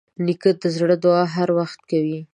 نیکه د زړه دعا هر وخت کوي.